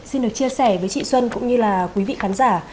xin được chia sẻ với chị xuân cũng như là quý vị khán giả